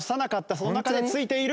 その中でついている！